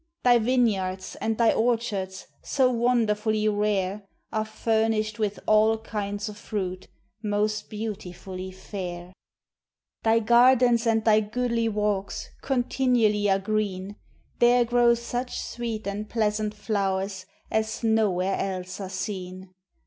Thy vineyards, and thy orchards, So wonderfully rare, Are furnished with all kinds of fruit, Most beautifully fair. Thy gardens and thy goodly walks Continually are green; There grow such sweet and pleasant flowers As nowhere else are seen.